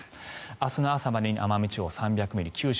明日の朝までに奄美地方、３００ミリ